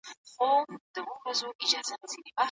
په پسرلي کې د ګلانو په سر رنګینې پتنګانې ګرځي.